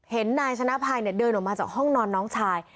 นายชนะภัยเดินออกมาจากห้องนอนน้องชาย